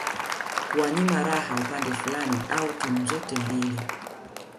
kuwanyima raha upande fulani au timu zote mbili